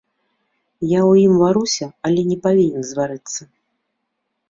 Я ў ім варуся, але не павінен зварыцца!